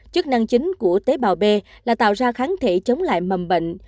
chức năng chính của tế bào b là tạo ra kháng thể chống lại mầm bệnh